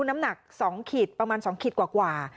น้ำหนัก๒ขีดประมาณ๒ขีดกว่า